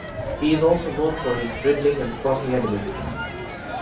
He is also known for his dribbling and crossing abilities.